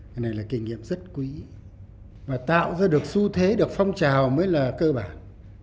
cái này là kinh nghiệm rất quý và tạo ra được su thế được phong trào mới là cơ bản